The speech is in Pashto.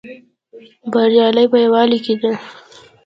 بریا په یوالی کې ده